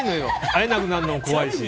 会えなくなるのも怖いし。